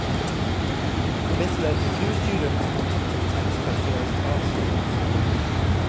This led to fewer students wanting to attend specialised art schools.